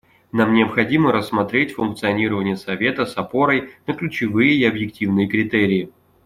Нам необходимо рассмотреть функционирование Совета с опорой на ключевые и объективные критерии.